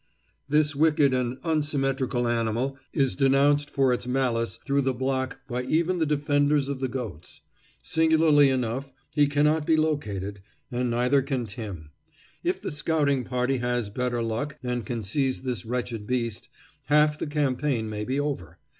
This wicked and unsymmetrical animal is denounced for its malice throughout the block by even the defenders of the goats. Singularly enough, he cannot be located, and neither can Tim. If the scouting party has better luck and can seize this wretched beast, half the campaign may be over.